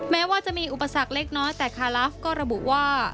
แม้ว่าจะมีอุปสรรคเล็กน้อยแต่คาลาฟก็ระบุว่า